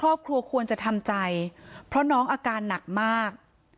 ครอบครัวควรจะทำใจเพราะน้องอาการหนักมาก